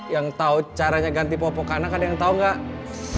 yang tau caranya ganti popok anak ada yang tau gak